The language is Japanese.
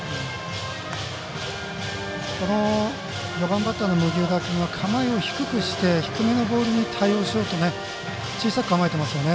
４番バッターの麥生田君は構えを低くして低めのボールに対応しようと小さく構えていますよね。